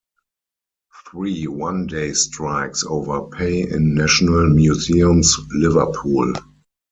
Three one day strikes over pay in National Museums Liverpool.